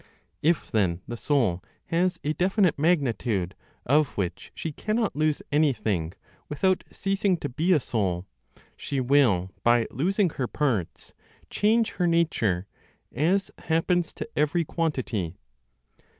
If then the soul has a definite magnitude of which she cannot lose anything without ceasing to be a soul, she will by losing her parts, change her nature, as happens to every quantity.